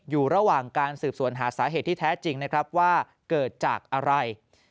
อยู่ระหว่างการสืบสวนหาสาเหตุที่แท้จริงนะครับว่าเกิดจากอะไร